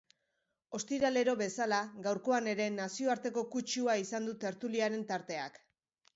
Ostiralero bezala, gaurkoan ere nazioarteko kutsua izan du tertuliaren tarteak.